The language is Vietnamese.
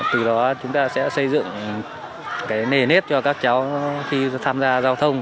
từ đó chúng ta sẽ xây dựng nề nét cho các cháu khi tham gia giao thông